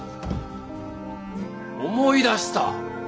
思い出した！